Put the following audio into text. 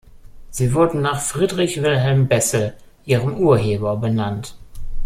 Sie wurde nach Friedrich Wilhelm Bessel, ihrem Urheber, benannt.